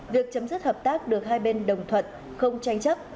việc chấm dứt hợp tác được hai bên đồng thuận không tranh chấp